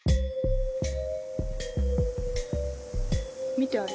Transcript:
見てあれ。